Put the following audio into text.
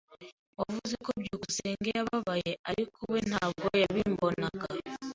Wavuze ko byukusenge yababaye, ariko we ntabwo yabimbonaga.